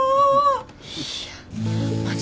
いやマジ